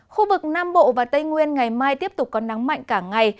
khu vực nam bộ và tây nguyên ngày mai tiếp tục có nắng mạnh cả ngày